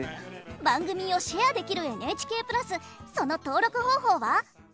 番組をシェアできるＮＨＫプラスその登録方法は？